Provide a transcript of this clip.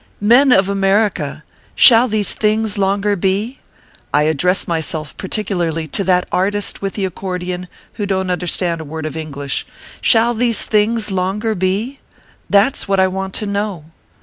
Men of America, shall these things longer be ? I address myself particularly to that artist with the accordeon, who don t understand a word of English shall these things longer be ? That s what I want to know.